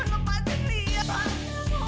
sekarang kamu bikin papa kecewa